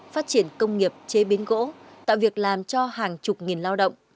phát triển công nghiệp chế biến gỗ tạo việc làm cho hàng chục nghìn lao động